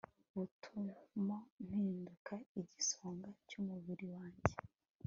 butuma mpinduka igisonga cyumubiri wanjye